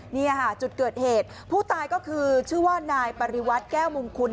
นี่ค่ะจุดเกิดเหตุผู้ตายก็คือชื่อว่านายปริวัติแก้วมงคุณ